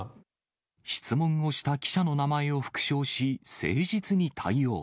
質問をした記者の名前を復唱し、誠実に対応。